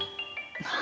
何？